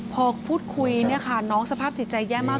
พอพูดคุยน้องสภาพจิตใจแย่มาก